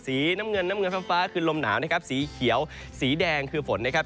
สีน้ำเงินน้ำเงินฟ้าคือลมหนาวนะครับสีเขียวสีแดงคือฝนนะครับ